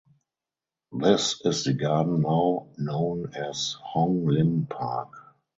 This is the garden now known as Hong Lim Park.